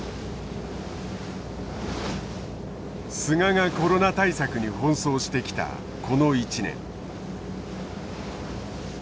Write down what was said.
菅がコロナ対策に奔走してきたこの１年。